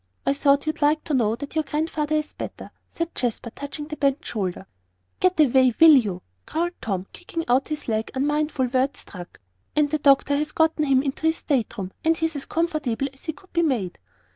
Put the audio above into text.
"I thought you'd like to know that your Grandfather is better," said Jasper, touching the bent shoulder. "Get away, will you?" growled Tom, kicking out his leg, unmindful where it struck. "And the doctor has gotten him into his state room, and he is as comfortable as he could be made."